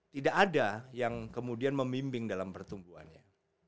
tidak ada yang kemudian memimbing dalam pertumbuhannya